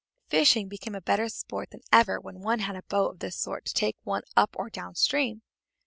Fishing became better sport than ever when one had a boat of this sort to take one up or down stream.